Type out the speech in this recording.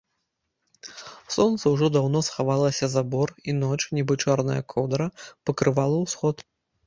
Сонца ўжо даўно схавалася за бор, і ноч, нібы чорная коўдра, пакрывала ўсход.